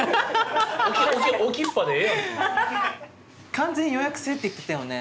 完全予約制って言ってたよね？